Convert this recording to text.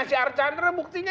si arcandra buktinya